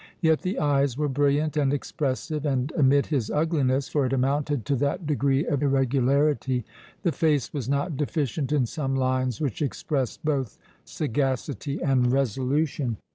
Yet the eyes were brilliant and expressive, and, amid his ugliness—for it amounted to that degree of irregularity—the face was not deficient in some lines which expressed both sagacity and resolution.